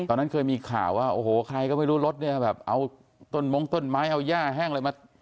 ตอนนั้นเคยมีข่าวว่าโอ้โหใครก็ไม่รู้รถเนี่ยแบบเอาต้นมงต้นไม้เอาย่าแห้งอะไรมา